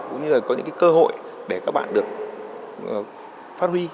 cũng như là có những cơ hội để các bạn được phát huy